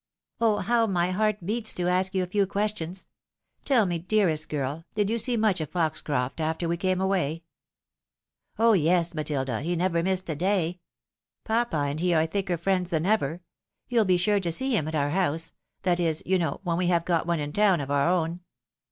" Oh, how my heart beats to ask you a few questions !. Tell me, dearest girl, did you see much of Poxorof t after we came away ?"" Oh, yes, Matilda — he never missed a day. Papa and he are tliicker friends than ever. You'll be sure to see him at our house — that is, you know, when we have got one in town, of our own."